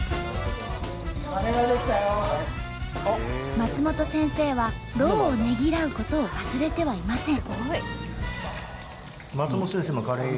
松本先生は労をねぎらうことを忘れてはいません。